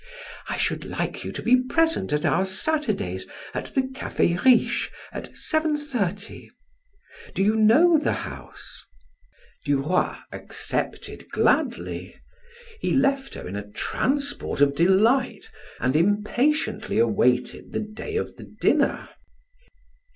I should like you to be present at our Saturdays at the Cafe Riche at seven thirty. Do you know the house?" Duroy accepted gladly. He left her in a transport of delight and impatiently awaited the day of the dinner.